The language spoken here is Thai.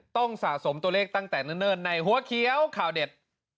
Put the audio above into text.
สะสมตัวเลขตั้งแต่เนิ่นในหัวเขียวข่าวเด็ด